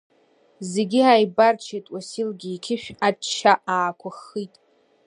Зегьы ааибарччеит, Уасилгьы иқьышә ачча аақәыххит…